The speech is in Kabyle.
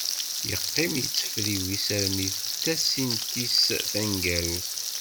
Yeqqim yettefriwis armi d tasint-is taneggarut.